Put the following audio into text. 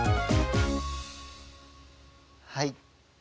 はい。